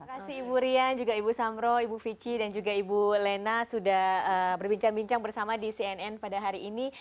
terima kasih ibu rian juga ibu samro ibu vici dan juga ibu lena sudah berbincang bincang bersama di cnn pada hari ini